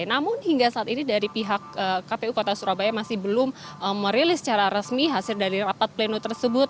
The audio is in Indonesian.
namun hingga saat ini dari pihak kpu kota surabaya masih belum merilis secara resmi hasil dari rapat pleno tersebut